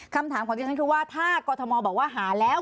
คำถามของที่ฉันคือว่าถ้ากอธมมอธ์บอกว่าหาแล้ว